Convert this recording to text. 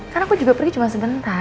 karena aku juga pergi cuma sebentar